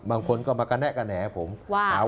บางคนก็มาแกะแนะแกะแหน